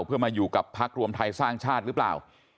เพื่อมาอยู่กับพักรวมไทยสร้างชาติหรือเปล่า